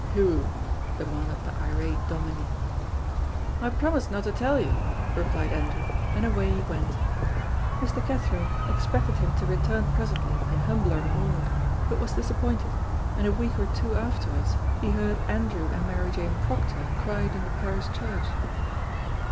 "Who?" demanded the irate Dominie. "I promised no to tell you," replied Andrew, and away he went. Mr. Cathro expected him to return presently in humbler mood, but was disappointed, and a week or two afterwards he heard Andrew and Mary Jane Proctor cried in the parish church.